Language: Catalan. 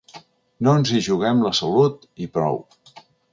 No ens hi juguem la salut i prou.